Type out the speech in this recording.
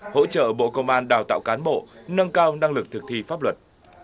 hỗ trợ bộ công an đào tạo cán bộ nâng cao năng lực thực thi pháp luật